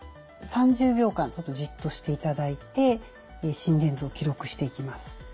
３０秒間ちょっとじっとしていただいて心電図を記録していきます。